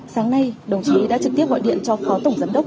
sáng nay đồng chí đã trực tiếp gọi điện cho phó tổng giám đốc